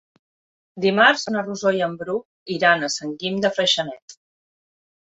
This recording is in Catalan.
Dimarts na Rosó i en Bru iran a Sant Guim de Freixenet.